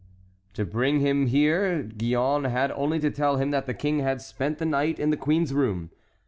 To bring him there Gillonne had only to tell him that the king had spent the night in the queen's room.